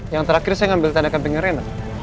yang terakhir saya ambil tanda kampingnya ren